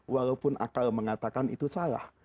walaupun akal mengatakan itu salah